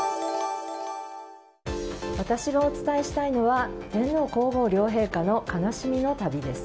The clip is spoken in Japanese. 私がお伝えしたいのは天皇・皇后両陛下の悲しみの旅です。